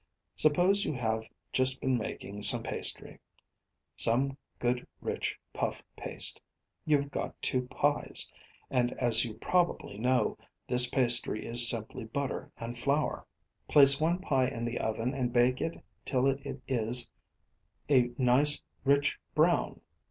Suppose you have just been making some pastry some good, rich, puff paste you have got two pies, and, as you probably know, this pastry is simply butter and flour. Place one pie in the oven and bake it till it is a nice rich brown.